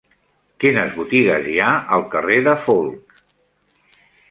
Quines botigues hi ha al carrer de Folc?